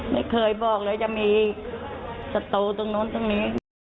ไม่เคยบอกเลยจะมีศัตรูตรงนู้นตรงนี้